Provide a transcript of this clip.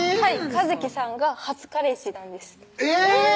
一希さんが初彼氏なんですえぇ！